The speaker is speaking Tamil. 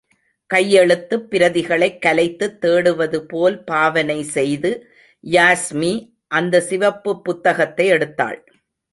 கையெழுத்துப் பிரதிகளைக் கலைத்துத் தேடுவதுபோல் பாவனை செய்து, யாஸ்மி அந்த சிவப்புப் புத்தகத்தை எடுத்தாள்.